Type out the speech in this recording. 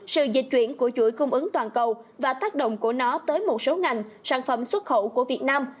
sự dịch chuyển của chuỗi cung ứng toàn cầu và tác động của nó tới một số ngành sản phẩm xuất khẩu của việt nam